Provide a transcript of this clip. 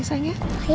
dadah level tiga